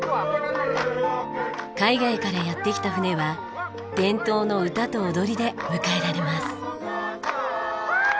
海外からやって来た船は伝統の歌と踊りで迎えられます。